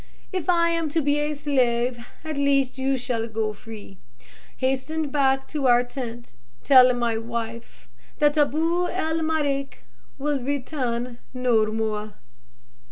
If I am to be a slave, at least you shall go free. Hasten back to our tent. Tell my wife that Abou el Marek will return no more!"